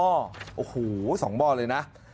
โอ้โหสองหม้อเลยนะ